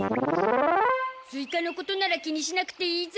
スイカのことなら気にしなくていいゾ。